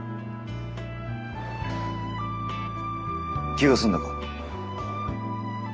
気が済んだか？